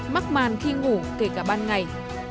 mắc màn khi ngủ kể cả ban ngày